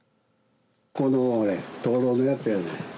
この灯籠のやつやねん。